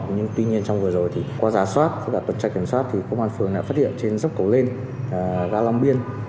nhưng tuy nhiên trong vừa rồi thì qua giả soát và tổ chức kiểm soát thì công an phường đã phát hiện trên dốc cầu lên và long biên